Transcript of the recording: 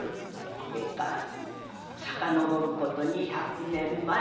ええかさかのぼること２００年前。